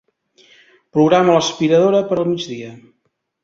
Programa l'aspiradora per al migdia.